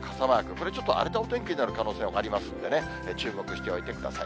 これ、ちょっと荒れたお天気になる可能性ありますのでね、注目しておいてください。